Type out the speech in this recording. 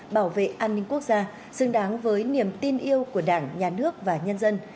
bảo vệ an ninh quốc gia xứng đáng với niềm tin yêu của đảng nhà nước và nhân dân